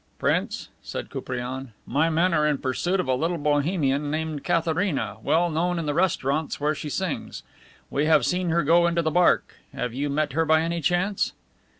"Prince," said Koupriane, "my men are in pursuit of a little Bohemian named Katharina, well known in the restaurants where she sings. We have seen her go into the Barque. Have you met her by any chance?"